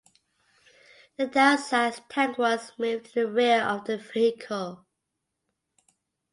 The downsized tank was moved to the rear of the vehicle.